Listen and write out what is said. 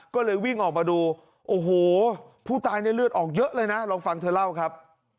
ก็เลยวิ่งออกมาดูโอ้โหผู้ตายเนี่ยเลือดออกเยอะเลยนะลองฟังเธอเล่าครับ